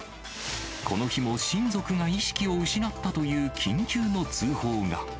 この日も親族が意識を失ったという緊急の通報が。